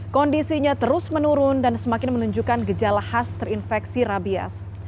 kondisinya terus menurun dan semakin menunjukkan gejala khas terinfeksi rabies